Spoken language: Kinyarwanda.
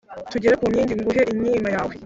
tugere ku nkingi nguhe inkima yawe